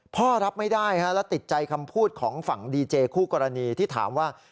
รับไม่ได้และติดใจคำพูดของฝั่งดีเจคู่กรณีที่ถามว่า